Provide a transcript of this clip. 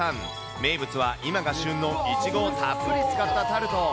名物は今が旬のいちごをたっぷり使ったタルト。